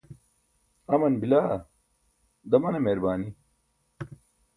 aman bila, damane meerbaani